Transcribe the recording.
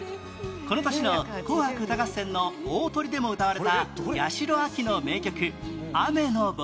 この年の『紅白歌合戦』の大トリでも歌われた八代亜紀の名曲『雨の慕情』